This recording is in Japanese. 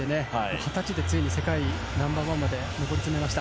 二十歳でついに世界ナンバー１まで上り詰めました。